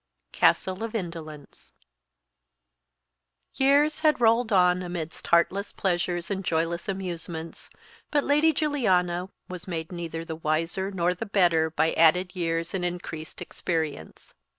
Castle of Indolence. YEARS had rolled on amidst heartless pleasures and joyless amusements, but Lady Juliana was made neither the wiser nor the better by added years and increased experience.